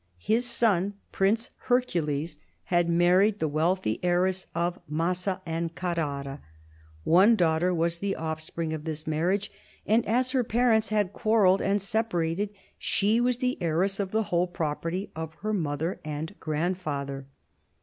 His son, Prince Hercules, had married the wealthy heiress of Massa and Carrara. One daughter was the offspring of this marriage, and, as her parents had quarrelled and separated, she was heiress of the whole property of her mother and grandfather.